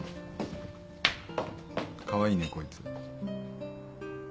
かわいいねこいつ。